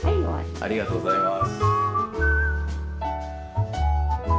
ありがとうございます。